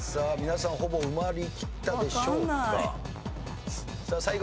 皆さんほぼ埋まりきったでしょうか？